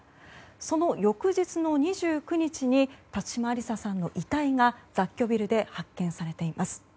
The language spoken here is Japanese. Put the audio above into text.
その翌日の２９日に辰島ありささんの遺体が雑居ビルで発見されています。